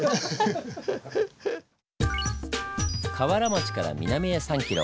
川原町から南へ３ｋｍ。